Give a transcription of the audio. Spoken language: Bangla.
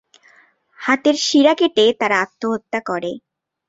হাতের শিরা কেটে তারা আত্মহত্যা করে।